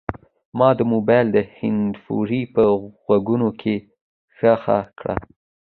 ما د موبایل هینډفري په غوږونو کې ښخه کړه.